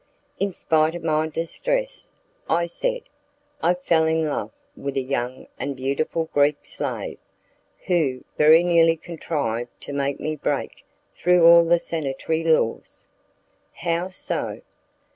"In spite of my distress," I said, "I fell in love with a young and beautiful Greek slave, who very nearly contrived to make me break through all the sanitary laws." "How so?"